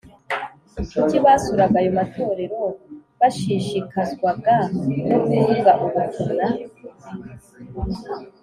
Kuki basuraga ayo matorero bashishikazwaga no kuvuga ubutumwa